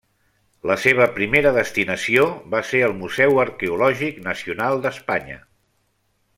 La seva primera destinació va ser el Museu Arqueològic Nacional d'Espanya.